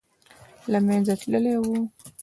له منځه تللی وو.